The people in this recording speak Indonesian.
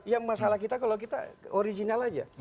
yang masalah kita kalau kita original aja